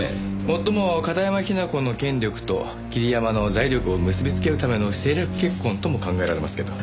もっとも片山雛子の権力と桐山の財力を結び付けるための政略結婚とも考えられますけど。